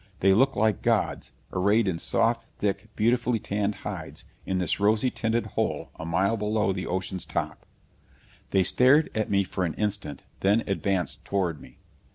They looked like gods, arrayed in soft, thick, beautifully tanned hides in this rosy tinted hole a mile below the ocean's top. They stared at me for an instant, then advanced toward me.